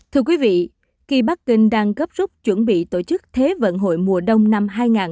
thưa quý vị khi bắc kinh đang gấp rút chuẩn bị tổ chức thế vận hội mùa đông năm hai nghìn hai mươi bốn